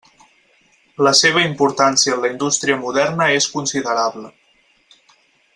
La seva importància en la indústria moderna és considerable.